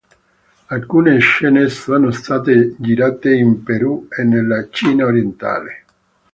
Alcune scene sono state girate in Perù e nella Cina orientale.